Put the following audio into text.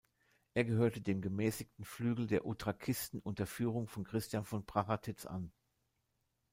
Er gehörte dem gemäßigten Flügel der Utraquisten unter Führung von Christian von Prachatitz an.